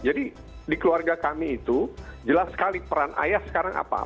jadi di keluarga kami itu jelas sekali peran ayah sekarang apa